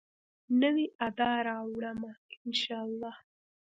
نوي ادا راوړمه، ان شاالله